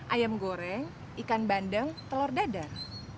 ayam goreng ikan bandeng telur dadar